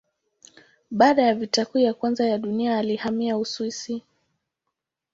Baada ya Vita Kuu ya Kwanza ya Dunia alihamia Uswisi.